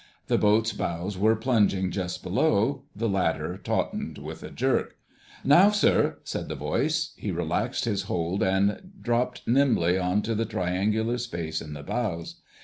The boat's bows were plunging just below ... the ladder tautened with a jerk. "Now, sir!" said the voice. He relaxed his hold and dropped nimbly on to the triangular space in the bows.